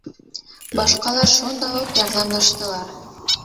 Башҡалар шунда уҡ ярҙамлаштылар: